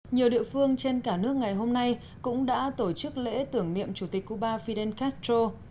nhiều địa phương trên cả nước ngày hôm nay cũng đã tổ chức lễ tưởng niệm chủ tịch cuba fidel castro